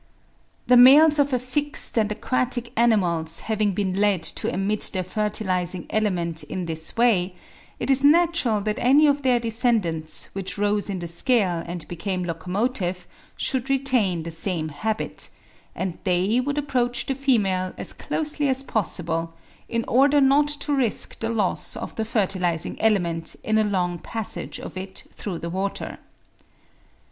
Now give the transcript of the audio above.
The males of affixed and aquatic animals having been led to emit their fertilising element in this way, it is natural that any of their descendants, which rose in the scale and became locomotive, should retain the same habit; and they would approach the female as closely as possible, in order not to risk the loss of the fertilising element in a long passage of it through the water.